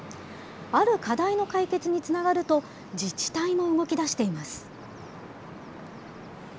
ある課題の解決につながると、自治体も動きだしています。